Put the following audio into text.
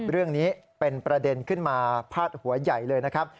เรื่องนี้เป็นประเด็นขึ้นมาพาดหัวใหญ่เลยนะครับ